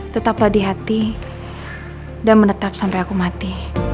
tetaplah di hati dan menetap sampai aku mati